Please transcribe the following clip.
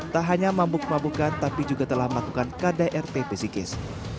tak hanya mabuk mabukan tapi juga telah melakukan kdrt psikis